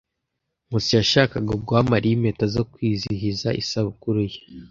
Nkusi yashakaga guha Mariya impeta zo kwizihiza isabukuru ye.